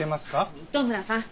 糸村さん